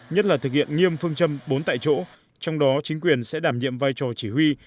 nhất là thực hiện nghiêm phương châm bốn tại chỗ trong đó chính quyền sẽ đảm nhiệm vai trò chỉ huy